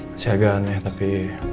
masih agak aneh tapi